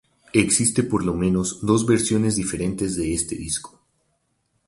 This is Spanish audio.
Existen por lo menos dos versiones diferentes de este disco.